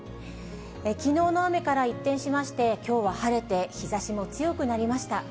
きのうの雨から一転しまして、きょうは晴れて、日ざしも強くなりました。